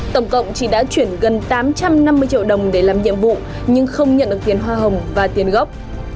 tổng cộng chị đã chuyển gần tám trăm năm mươi triệu đồng để làm nhiệm vụ nhưng không nhận được tiền hoa hồng và tiền gốc